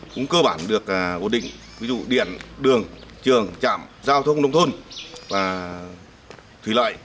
cũng cơ bản được bổ định ví dụ điện đường trường trạm giao thông nông thôn và thủy loại